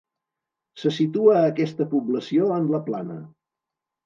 Se situa aquesta població en la Plana.